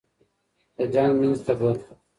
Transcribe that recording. د جنګ منځ ته به